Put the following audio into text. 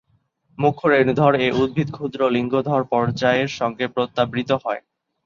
মুখ্য রেণুধর এ উদ্ভিদ ক্ষুদ্র লিঙ্গধর পর্যায়ের সঙ্গে প্রত্যাবৃত হয়।